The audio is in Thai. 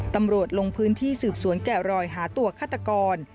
ตำรวจลงพื้นที่สืบสวนแกะรอยหาตัวฆาตกร